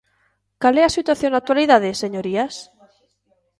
¿Cal é a situación na actualidade, señorías?